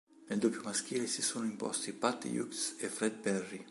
Nel doppio maschile si sono imposti Pat Hughes e Fred Perry.